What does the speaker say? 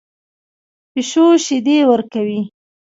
پیشو شیدې ورکوي